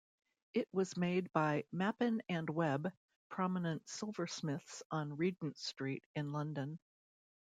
It was made by "Mappin and Webb", prominent silversmiths on Regent Street in London.